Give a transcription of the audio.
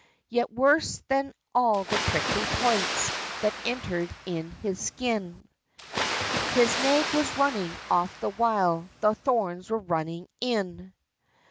Yet worse than all the prickly points That entered in his skin, His nag was running off the while The thorns were running in!